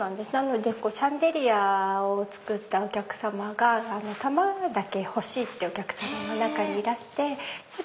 シャンデリアを作ったお客さまが玉だけ欲しいってお客さまも中にいらして。